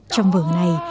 trong vở này